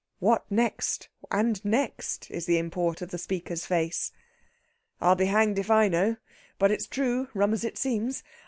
What next, and next? is the import of the speaker's face. "I'll be hanged if I know! But it's true, rum as it seems.